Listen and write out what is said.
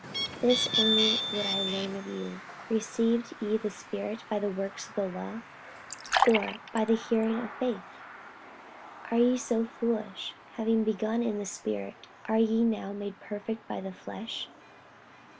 48:003:002 This only would I learn of you, Received ye the Spirit by the works of the law, or by the hearing of faith? 48:003:003 Are ye so foolish? having begun in the Spirit, are ye now made perfect by the flesh?